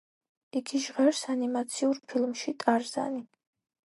იგი ჟღერს ანიმაციურ ფილმში ტარზანი.